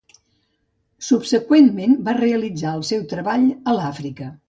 Subseqüentment, va realitzar el seu treball a l'Àfrica.